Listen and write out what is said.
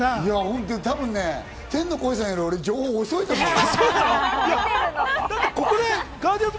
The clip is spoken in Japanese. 多分、天の声さんより俺、情報遅いと思う。